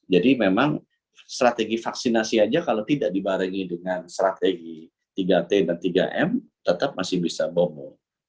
jadi memang strategi vaksinasi saja kalau tidak dibarengi dengan strategi tiga t dan tiga m tetap masih bisa bomo